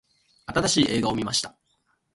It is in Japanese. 新しい映画を観ました。